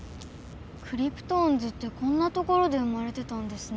クリプトオンズってこんなところで生まれてたんですね。